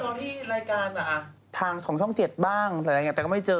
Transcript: ตรงที่รายการอ่ะทางของช่องเจ็ดบ้างอะไรแบบนี้แต่ก็ไม่เจอ